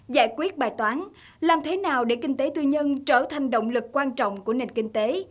giải quyết bài toán làm thế nào để kinh tế tư nhân trở thành động lực quan trọng của nền kinh tế